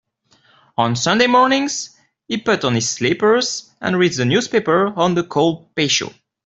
On Sunday mornings, he puts on his slippers and reads the newspaper on the cold patio.